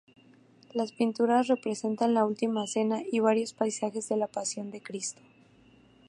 Las pinturas representan la Última Cena y varios pasajes de la Pasión de Cristo.